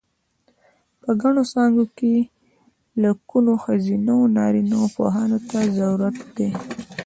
په ګڼو څانګو کې لکونو ښځینه و نارینه پوهانو ته ضرورت دی.